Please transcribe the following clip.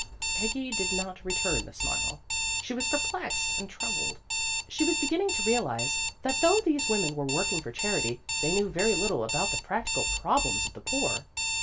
'' Peggy did not return the smile. She was perplexed and troubled. She was beginning to realize that though these women were working for charity, they knew very little about the practical problems of the poor.